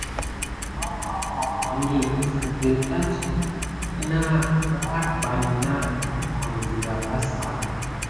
Mogroh mokoni mis migete suck kena nakum na wurare naban mokoni siga vasba.